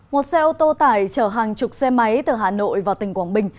một xe ô tô tải chở hàng chục xe máy từ hà nội vào tỉnh quảng bình